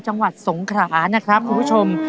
จังหวัดสงขรานะครับคุณผู้ชม